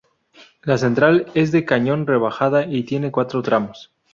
La central es de cañón rebajada y tiene cuatro tramos.